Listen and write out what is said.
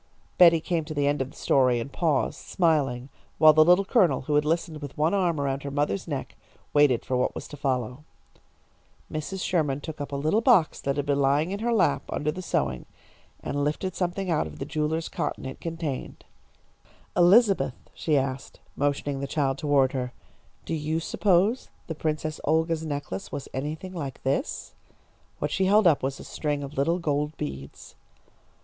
Betty came to the end of the story and paused, smiling, while the Little Colonel, who had listened with one arm around her mother's neck, waited for what was to follow. Mrs. Sherman took up a little box that had been lying in her lap under the sewing, and lifted something out of the jeweller's cotton it contained. "Elizabeth," she asked, motioning the child toward her, "do you suppose the Princess Olga's necklace was anything like this?" What she held up was a string of little gold beads.